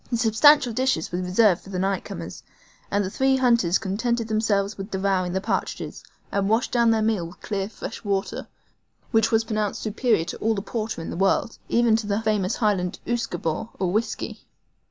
The substantial dishes were reserved for the night comers, and the three hunters contented themselves with devouring the partridges, and washed down their meal with clear, fresh water, which was pronounced superior to all the porter in the world, even to the famous Highland USQUEBAUGH, or whisky.